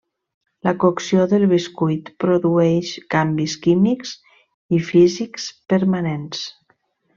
La cocció del bescuit produeix canvis químics i físics permanents.